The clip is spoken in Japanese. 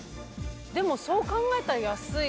でもそう考えたら安いですよね